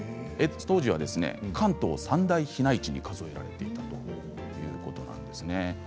当時は関東三大ひな市にも数えられていたということなんですね。